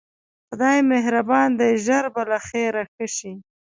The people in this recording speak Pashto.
خدای مهربان دی ژر به له خیره ښه شې.